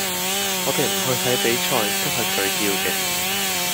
我哋唔去睇比賽，都係佢叫嘅